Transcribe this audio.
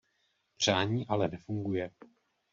Přání ale nefunguje.